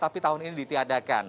tapi tahun ini ditiadakan